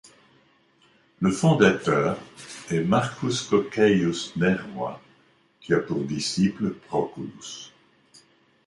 Le fondateur est Marcus Cocceius Nerva, qui a pour disciple Proculus.